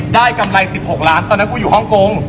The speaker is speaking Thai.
กำไร๑๖ล้านตอนนั้นกูอยู่ฮ่องกง